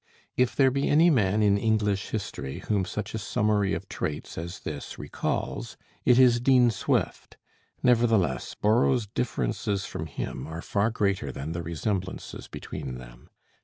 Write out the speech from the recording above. If there be any man in English history whom such a summary of traits as this recalls, it is Dean Swift. Nevertheless Borrow's differences from him are far greater than the resemblances between them.